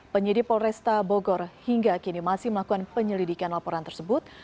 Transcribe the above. penyidik polresta bogor hingga kini masih melakukan penyelidikan laporan tersebut